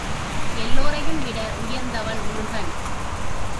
எல்லோரையும்விட உயர்ந்தவன் முருகன்.